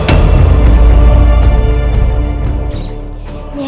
kita harus proses apapun untuk mencari daun kecubung dewa